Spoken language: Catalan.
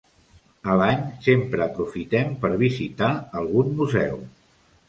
A l'any sempre aprofitem per visitar algun museu.